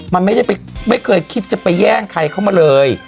มันไม่เคยคิดจะไปแย่งใครเข้ามาเลย